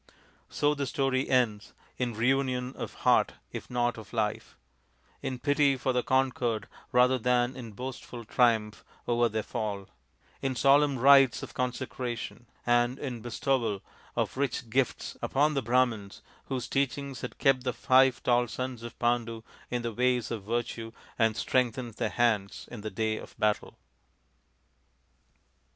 So the story ends in reunion of heart if not of life ; in pity for the conquered rather than in boastful triumph over their fall ; in solemn rites of consecration ; and in bestowal of rich gifts upon the Brahmans whose teachings had kept the five tall sons of Pandu in the ways of virtue and strengthened their hands in the day of battle.